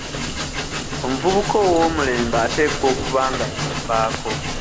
Omuvubuka ow'omulembe ateekwa okuba nga yeefaako.